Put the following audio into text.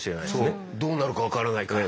どうなるか分からないから。